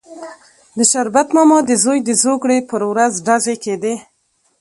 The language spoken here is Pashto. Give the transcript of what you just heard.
د شربت ماما د زوی د زوکړې پر ورځ ډزې کېدې.